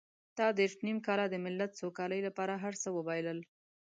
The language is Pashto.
تا دېرش نيم کاله د ملت سوکالۍ لپاره هر څه وبایلل.